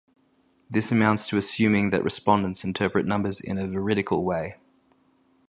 This amounts to assuming that respondents interpret numbers in a veridical way.